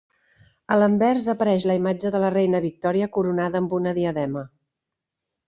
A l'anvers apareix la imatge de la Reina Victòria coronada amb una diadema.